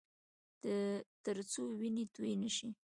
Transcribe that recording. ترڅو وینې تویې نه شي